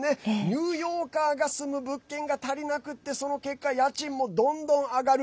ニューヨーカーが住む物件が足りなくてその結果、家賃もどんどん上がる。